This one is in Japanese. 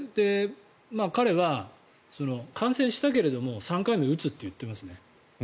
彼は感染したけども３回目打つといっていますね。